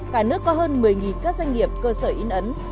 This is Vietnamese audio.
cả nước có hơn một mươi các doanh nghiệp cơ sở in ấn